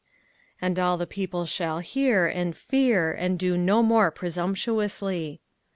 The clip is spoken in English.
05:017:013 And all the people shall hear, and fear, and do no more presumptuously.